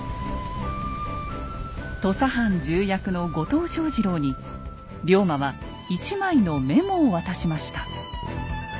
土佐藩重役の後藤象二郎に龍馬は一枚のメモを渡しました。